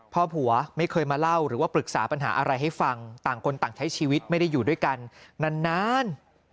พ่อผัวไม่เคยมาเล่าหรือว่าปรึกษาปัญหาอะไรให้ฟังต่างคนต่างใช้ชีวิตไม่ได้อยู่ด้วยกันนาน